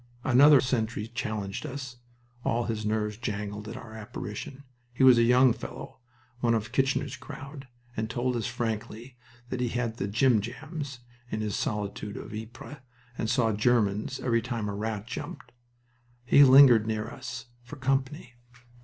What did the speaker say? Another sentry challenged us all his nerves jangled at our apparition. He was a young fellow, one of "Kitchener's crowd," and told us frankly that he had the "jimjams" in this solitude of Ypres and "saw Germans" every time a rat jumped. He lingered near us "for company.